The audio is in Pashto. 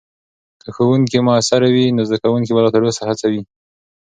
که ښوونکې مؤثرې وي، نو زدکونکي به لا تر اوسه هڅیده وي.